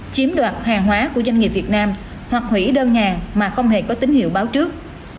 chiếm đoạt hàng hóa của doanh nghiệp việt nam hoặc hủy đơn hàng mà không hề có tín hiệu báo trước